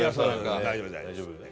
大丈夫大丈夫。